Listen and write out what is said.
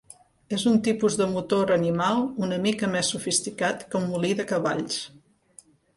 És un tipus de motor animal una mica més sofisticat que un molí de cavalls.